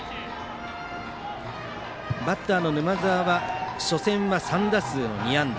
バッターの沼澤は初戦は３打数の２安打。